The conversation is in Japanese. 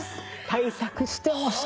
対策してもしてもです。